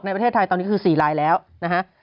ประเทศไทยตอนนี้คือ๔ลายแล้วนะฮะ